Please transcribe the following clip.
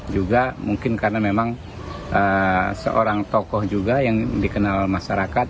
juga mungkin karena memang seorang tokoh juga yang dikenal masyarakat